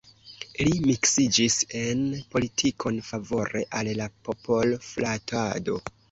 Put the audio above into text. Li miksiĝis en politikon, favore al la popol-flatado.